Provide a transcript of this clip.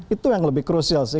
itu yang lebih krusial sih